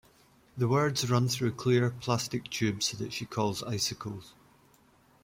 The words run through clear plastic tubes that she calls icicles.